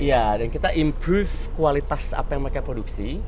iya dan kita improve kualitas apa yang mereka produksi